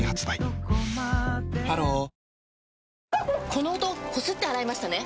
この音こすって洗いましたね？